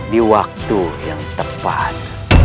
di waktu yang tepat